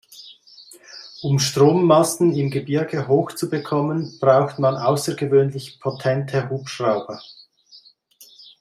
Um Strommasten im Gebirge hoch zu bekommen, braucht man außergewöhnlich potente Hubschrauber.